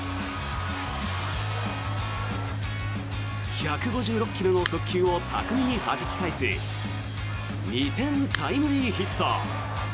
１５６ｋｍの速球を巧みにはじき返し２点タイムリーヒット。